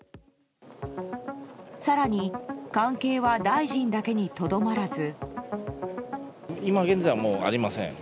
更に関係は大臣だけにとどまらず。